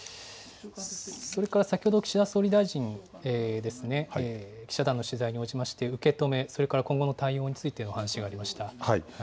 それから先ほど岸田総理大臣、記者団の取材に応じまして受け止め、それから今後の対応についてお話がありました。